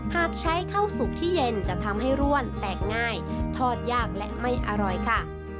หากใช้ข้าวสุกที่เย็นจะทำให้ร่วนแตกง่ายทอดยากและไม่อร่อยค่ะ